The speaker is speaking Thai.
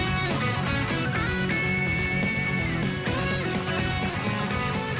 สวัสดีครับ